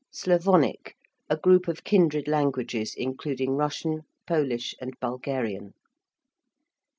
~Slavonic~: a group of kindred languages, including Russian, Polish, and Bulgarian.